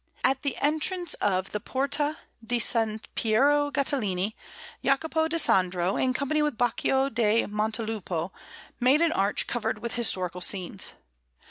At the entrance of the Porta di S. Piero Gattolini, Jacopo di Sandro, in company with Baccio da Montelupo, made an arch covered with historical scenes.